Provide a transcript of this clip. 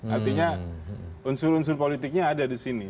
artinya unsur unsur politiknya ada disini